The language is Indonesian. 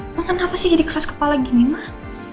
emang kenapa sih jadi keras kepala gini mah